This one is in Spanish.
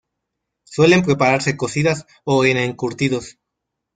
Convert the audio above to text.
Suelen prepararse cocidas o en encurtidos.